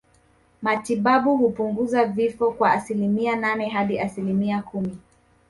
Matibabu hupunguza vifo kwa asilimia nane hadi asilimia kumi